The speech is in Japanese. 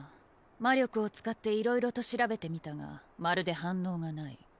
魔力を使っていろいろと調べてみたがまるで反応がない。